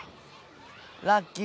ラッキー！